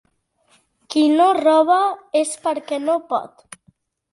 Qui no roba és perquè no pot.